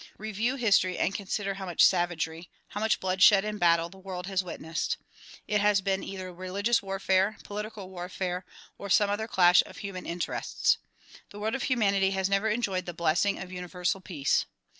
Review history and consider how much savagery, how much bloodshed and battle the world has witnessed. It has been either religious warfare, political warfare or some other clash of human interests. The world of humanity has never enjoyed the blessing of Universal Peace.